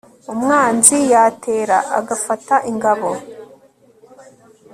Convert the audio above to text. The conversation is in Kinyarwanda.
umwanzi yatera, agafata ingabo